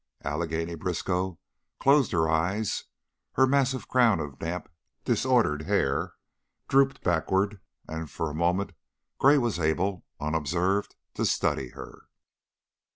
Allegheny Briskow closed her eyes, her massive crown of damp, disordered hair drooped backward and for a moment Gray was able, unobserved, to study her.